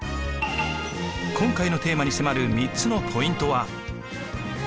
今回のテーマに迫る３つのポイントは。